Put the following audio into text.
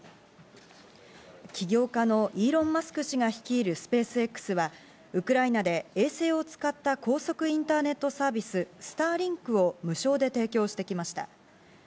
起業家のイーロン・マスク氏が率いるスペースＸはウクライナで衛星を使った高速インターネットサービス、スターリンクを無償で提供してきました。